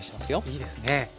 いいですね。